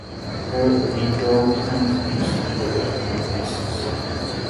Her endowment is telekinesis.